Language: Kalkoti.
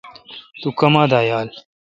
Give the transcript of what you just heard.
تو کما دا یال؟